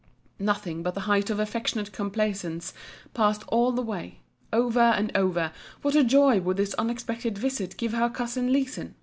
Nothing but the height of affectionate complaisance passed all the way: over and over, what a joy would this unexpected visit give her cousin Leeson!